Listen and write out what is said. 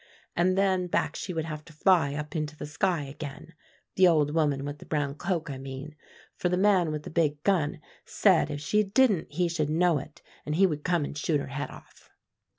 And then back she would have to fly up into the sky again, the old woman with the brown cloak, I mean, for the man with the big gun said if she didn't he should know it, and he would come and shoot her head off."